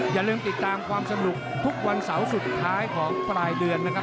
อย่าลืมติดตามความสนุกทุกวันเสาร์สุดท้ายของปลายเดือนนะครับ